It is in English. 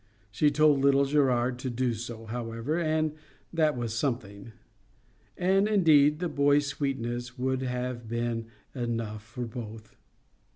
She told little Gerard to do so, however, and that was something. And, indeed, the boy's sweetness would have been enough for both.